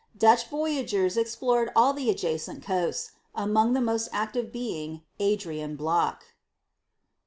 Dutch voyagers explored all the adjacent coasts, among the most active being Adrian Block.